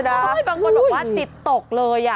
ตายที่บางคนบอกว่าติดตกเลย